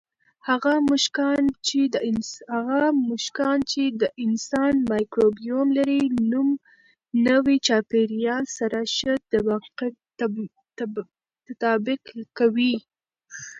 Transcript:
هغه موږکان چې د انسان مایکروبیوم لري، نوي چاپېریال سره ښه تطابق کوي.